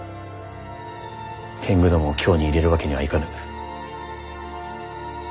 天狗どもを京に入れるわけにはいかぬ。